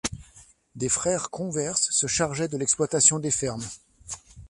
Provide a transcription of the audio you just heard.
Des frères convers se chargeaient de l'exploitation des fermes.